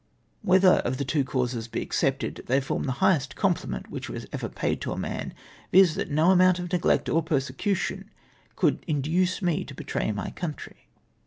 Whether of the two causes be accepted, they form the highest compliment which was ever paid to. man, viz. tliat no amount of neglect or persecution could induce me to betray my country.